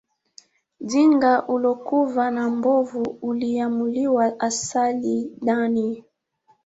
Ndhinga ulokuva na mbuvo uliamuliwa asali ndani.